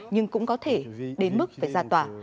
nhưng cũng có thể đến mức phải ra tòa